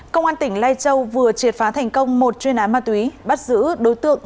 công an tỉnh lai châu vừa triệt phá thành công một chuyên án ma túy bắt giữ đối tượng